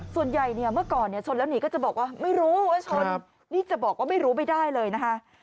ส่วนใหญ่เนี่ยเมื่อก่อนเนี่ยชนแล้วหนีก็จะบอกว่าไม่รู้ว่าชนนี่จะบอกว่าไม่รู้ไม่ได้เลยนะคะ